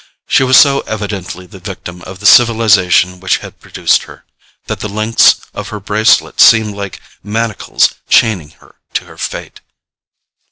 She was so evidently the victim of the civilization which had produced her, that the links of her bracelet seemed like manacles chaining her to her fate.